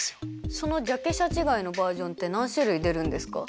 そのジャケ写違いのバージョンって何種類出るんですか？